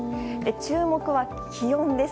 注目は気温です。